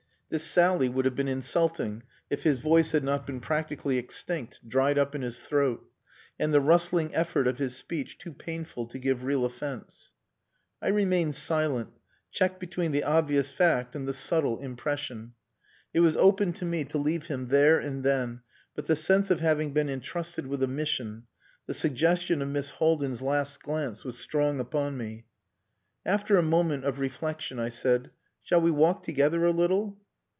This sally would have been insulting if his voice had not been practically extinct, dried up in his throat; and the rustling effort of his speech too painful to give real offence. I remained silent, checked between the obvious fact and the subtle impression. It was open to me to leave him there and then; but the sense of having been entrusted with a mission, the suggestion of Miss Haldin's last glance, was strong upon me. After a moment of reflection I said "Shall we walk together a little?"